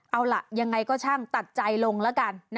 เอาล่ะยังไงก็ช่างตัดใจลงแล้วกัน